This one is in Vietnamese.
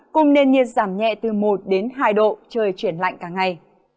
cùng nền nhiệt giảm nhẹ từ một đến hai độ trời chuyển lạnh cả ngày